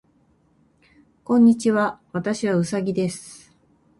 こんにちは。私はうさぎです。